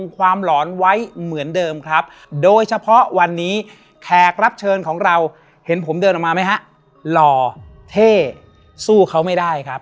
แขกรับเชิญของเราเห็นผมเดินออกมาไหมฮะหล่อเท่สู้เขาไม่ได้ครับ